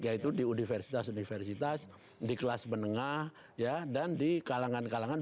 yaitu di universitas universitas di kelas menengah dan di kalangan kalangan